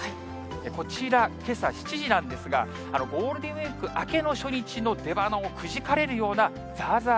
こちら、けさ７時なんですが、ゴールデンウィーク明けの初日の出ばなをくじかれるようなざーざー